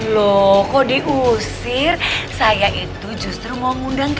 loh kok diulang